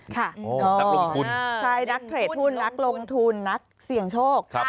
นักลงทุนใช่นักเทรดหุ้นนักลงทุนนักเสี่ยงโชค